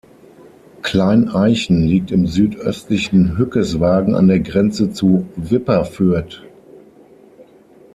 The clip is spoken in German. Kleineichen liegt im südöstlichen Hückeswagen an der Grenze zu Wipperfürth.